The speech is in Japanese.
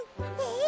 え？